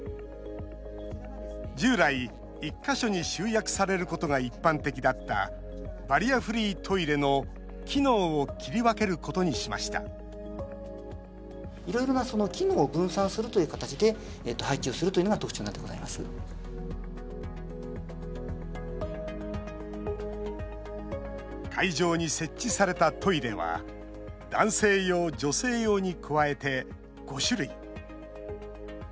従来、１か所に集約されることが一般的だったバリアフリートイレの機能を切り分けることにしました会場に設置されたトイレは男性用、女性用に加えて５種類。